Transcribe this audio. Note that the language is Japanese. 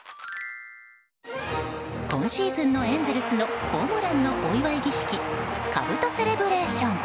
今シーズンのエンゼルスのホームランのお祝い儀式かぶとセレブレーション。